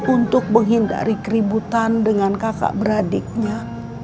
untuk menghindari keributan dengan kakak beradiknya